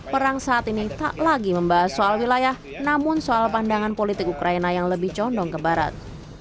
perang saat ini tak lagi membahas soal wilayah namun soal pandangan politik ukraina yang lebih condong ke barat